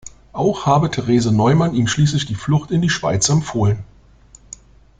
Auch habe Therese Neumann ihm schließlich die Flucht in die Schweiz empfohlen.